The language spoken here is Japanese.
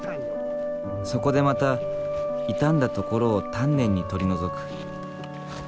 そこでまた傷んだ所を丹念に取り除く。